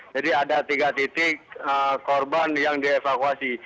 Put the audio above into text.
jadi ada tiga titik korban yang dievakuasi